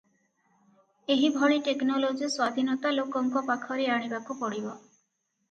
ଏହିଭଳି ଟେକନୋଲୋଜି ସ୍ୱାଧୀନତା ଲୋକଙ୍କ ପାଖରେ ଆଣିବାକୁ ପଡ଼ିବ ।